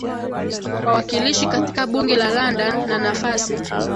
wawakilishi katika bunge la London na nafasi